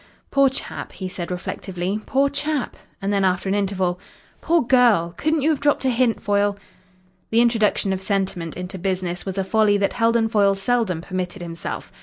"Poor chap," he said reflectively. "Poor chap!" And then, after an interval, "Poor girl! Couldn't you have dropped a hint, Foyle?" The introduction of sentiment into business was a folly that Heldon Foyle seldom permitted himself.